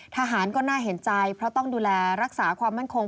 ทหารก็น่าเห็นใจเพราะต้องดูแลรักษาความมั่นคง